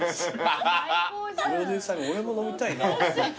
プロデューサーが俺も飲みたいなって。